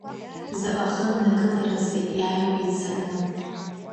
Заҟа ахы ннакыларызеи иааиуа иццакны.